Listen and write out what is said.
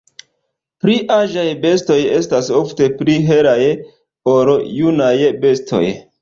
Pli aĝaj bestoj estas ofte pli helaj ol junaj bestoj.